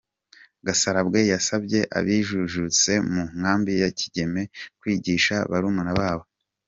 Gasarabwe yasabye abajijutse mu nkambi ya Kigeme kwigisha barumuna babo